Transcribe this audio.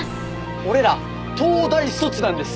俺ら東大卒なんです。